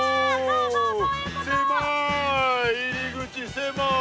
狭い！